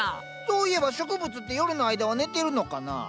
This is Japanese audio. そういえば植物って夜の間は寝てるのかな？